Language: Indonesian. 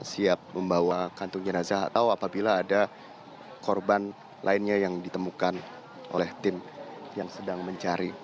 siap membawa kantung jenazah atau apabila ada korban lainnya yang ditemukan oleh tim yang sedang mencari